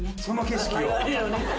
その景色ね